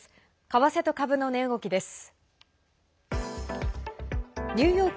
為替と株の値動きです。